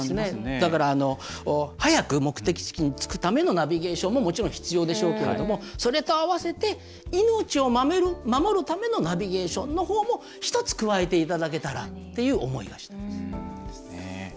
だから、早く目的地に着くためのナビゲーションももちろん必要でしょうけれどもそれとあわせて命を守るためのナビゲーションも１つ加えていただけたらという思いがしています。